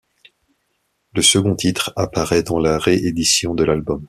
Le second titre apparaît dans la réédition de l'album.